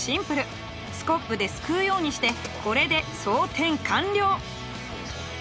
スコップですくうようにしてこれでそうてん完了。